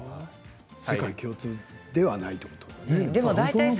世界共通ではないということですね。